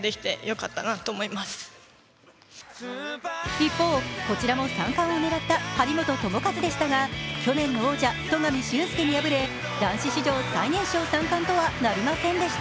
一方、こちらも３冠を狙った張本智和でしたが、去年の王者・戸上隼輔に敗れ男子史上最年少３冠とはなりませんでした。